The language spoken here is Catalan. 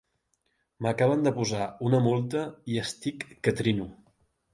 M'acaben de posar una multa i estic que trino.